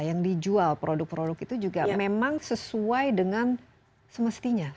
yang dijual produk produk itu juga memang sesuai dengan semestinya